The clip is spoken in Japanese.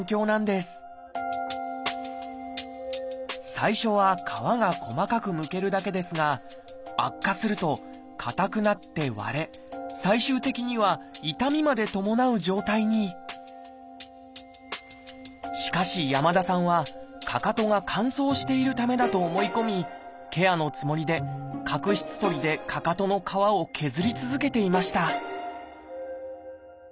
最初は皮が細かくむけるだけですが悪化するとかたくなって割れ最終的には痛みまで伴う状態にしかし山田さんはかかとが乾燥しているためだと思い込みケアのつもりで角質とりでかかとの皮を削り続けていました